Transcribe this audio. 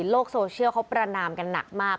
โลกโซเชียลเขาประนามกันหนักมาก